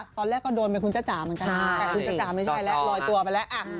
ตอนแรกก็โดนเป็นคุณจ๊ะจ๋ามันจริงคุณจ๊ะจ๋าไม่ใช่แล้วลอยตัวไปแล้ว